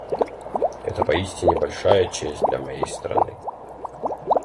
Это поистине большая честь для моей страны.